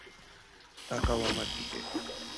তাকাও আমার দিকে!